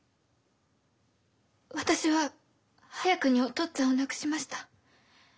私は早くにお父っつぁんを亡くしました。